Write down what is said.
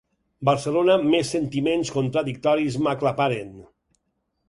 Barcelona més sentiments contradictoris m'aclaparen.